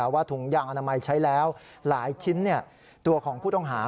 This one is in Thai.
ถุงยางอนามัยใช้แล้วหลายชิ้นตัวของผู้ต้องหา